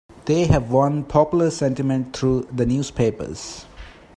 They have won popular sentiment through the newspapers.